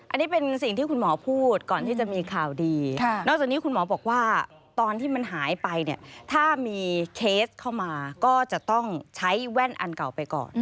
อันนี้เป็นสิ่งที่คุณหมอพูดก่อนที่จะมีข่าวดีนอกจากนี้คุณหมอบอกว่าตอนที่มันหายไปเนี่ยถ้ามีเคสเข้ามาก็จะต้องใช้แว่นอันเก่าไปก่อน